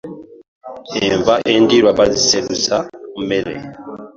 Enva endirwa baziseruza ku mmere .